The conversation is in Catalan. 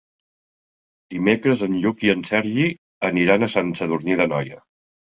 Dimecres en Lluc i en Sergi aniran a Sant Sadurní d'Anoia.